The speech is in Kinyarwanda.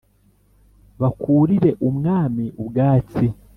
bakurire umwami ubwatsi